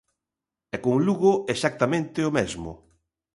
E con Lugo exactamente o mesmo.